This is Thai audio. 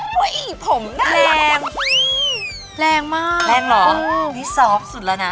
อุ้ยผมแรงแรงมากแรงเหรอนี่ซอฟต์สุดแล้วนะ